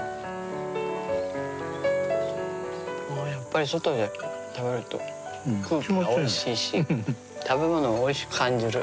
やっぱり外で食べると空気がおいしいし食べ物がおいしく感じる。